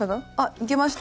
いけました？